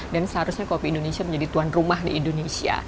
dan seharusnya kopi indonesia menjadi tuan rumah di indonesia